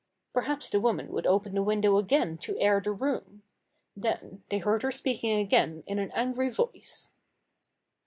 Perhaps the woman would open the window again to air the room. Then they heard her speaking again in an angry voice.